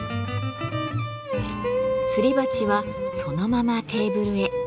すり鉢はそのままテーブルへ。